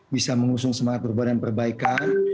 bisa mengusung semangat perubahan dan perbaikan